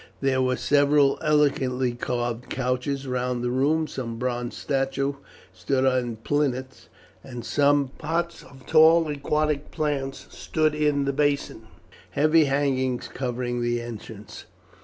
There were several elegantly carved couches round the room. Some bronze statues stood on plinths, and some pots of tall aquatic plants stood in the basin; heavy hangings covered the entrance.